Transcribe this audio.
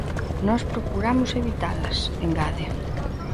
Nós procuramos evitalas, engade.